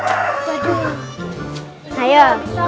hai sekarang lebih enak